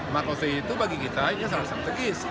maka itu bagi kita ini adalah strategis